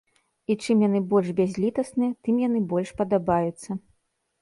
І чым яны больш бязлітасныя, тым яны больш падабаюцца.